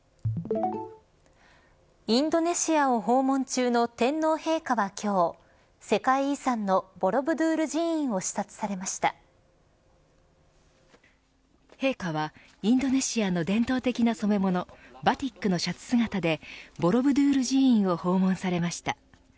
インドネシアを訪問中の天皇陛下は、今日世界遺産のボロブドゥール寺院を陛下はインドネシアの伝統的な染め物バティックのシャツ姿でボロブドゥール寺院を訪問されました。